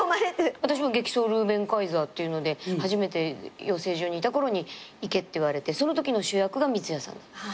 私も『激走！ルーベンカイザー』っていうので初めて養成所にいたころに行けって言われてそのときの主役が三ツ矢さん。